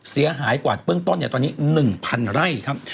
เสียหายกว่าเบื้องต้นตอนนี้๑๐๐ไร่ครับ